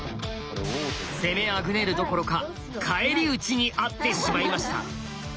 攻めあぐねるどころか返り討ちにあってしまいました！